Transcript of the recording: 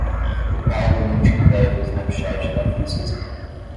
O Paulo não tinha ideia do Snapchat da Francisca